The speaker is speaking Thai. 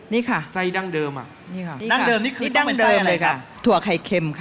นี่คือดั้งเดิมถั่วไข่เค็มค่ะ